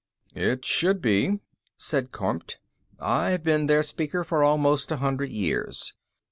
"It should be," said Kormt. "I've been their Speaker for almost a hundred years.